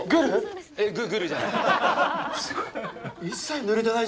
すごい。